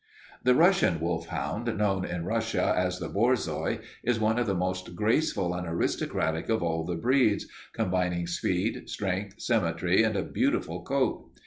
"The Russian wolfhound, known in Russia as the borzoi, is one of the most graceful and aristocratic of all the breeds, combining speed, strength, symmetry, and a beautiful coat.